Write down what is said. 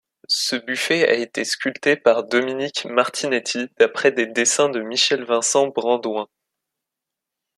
Ce buffet a été sculpté par Dominique Martinetti d’après des dessins de Michel-Vincent Brandouin.